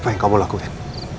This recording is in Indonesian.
apa yang kamu lakukan